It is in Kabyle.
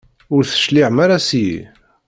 Ur d-tecliɛem ara seg-i.